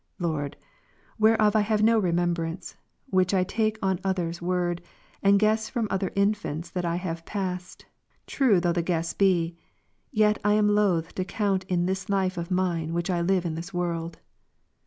Lord, whereof I .have no remembrance, which I take on others' word, and guess from other infants that I have passed, true though the guess be, I am yet loth to count in this life of mine which I live in this world.